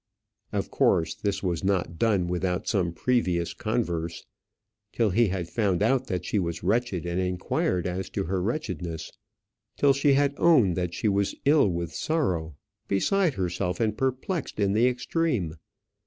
Of course this was not done without some previous converse; till he had found out that she was wretched, and inquired as to her wretchedness; till she had owned that she was ill with sorrow, beside herself, and perplexed in the extreme.